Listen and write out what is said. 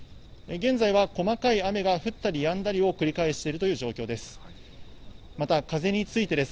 現在は細かい雨が降ったりやんだりを繰り返しているという状況です。